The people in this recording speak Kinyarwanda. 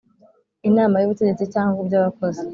Inama y ubutegetsi cyangwa iby abakozi